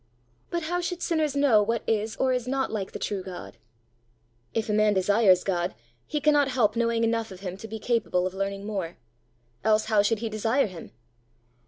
"But how should sinners know what is or is not like the true God?" "If a man desires God, he cannot help knowing enough of him to be capable of learning more else how should he desire him?